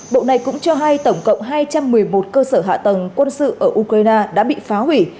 bộ này cũng cho hay tổng cộng hai trăm một mươi một cơ sở hạ tầng quân sự ở ukraine đã bị phá hủy